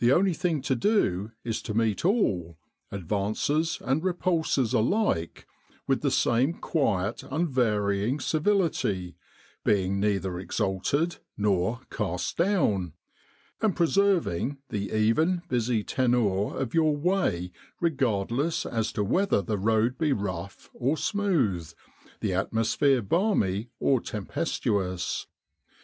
The only thing to do is to meet all, advances and repulses alike, with the same quiet unvarying civility, being neither exalted nor cast down, and preserving the even busy tenour of your way regardless as to whether the road be rough or smooth, the atmosphere balmy or tempestuous.